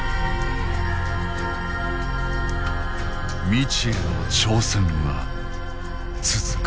未知への挑戦は続く。